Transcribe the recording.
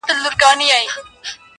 مسافري خواره خواري ده!.